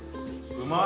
うまい！